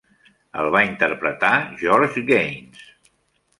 El va interpretar George Gaynes.